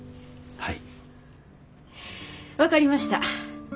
はい。